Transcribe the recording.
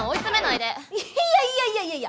いやいやいやいやいや！